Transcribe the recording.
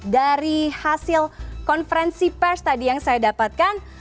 dari hasil konferensi pers tadi yang saya dapatkan